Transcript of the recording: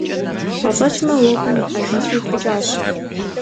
Пӏэщӏэкӏмэ, уэгум ихьэжынщи, упыкӏащ.